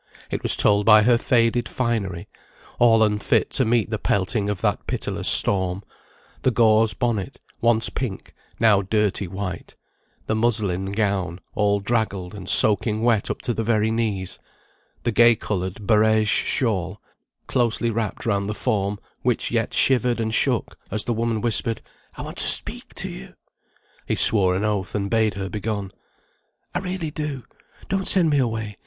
It was told by her faded finery, all unfit to meet the pelting of that pitiless storm; the gauze bonnet, once pink, now dirty white; the muslin gown, all draggled, and soaking wet up to the very knees; the gay coloured barège shawl, closely wrapped round the form, which yet shivered and shook, as the woman whispered: "I want to speak to you." He swore an oath, and bade her begone. "I really do. Don't send me away.